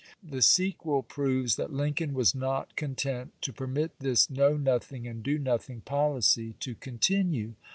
The sequel proves that Lincoln was not ^i.^p.^gi content to permit this know nothing and do noth /^i^^oin ing policy to continue.